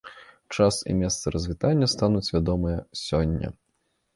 Час і месца развітання стануць вядомыя сёння.